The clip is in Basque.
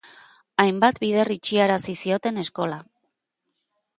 Hainbat bider itxiarazi zioten eskola.